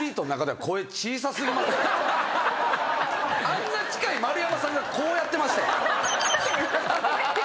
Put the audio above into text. あんな近い丸山さんがこうやってましたよ。